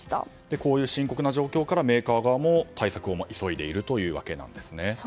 こういう深刻な状況からメーカー側も対策を急いでいるというわけですね。